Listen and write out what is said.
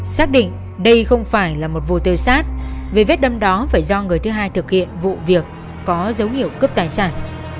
xác định đây không phải là một vô tư sát vì vết đâm đó phải do người thứ hai thực hiện vụ việc có dấu hiệu cướp tài sản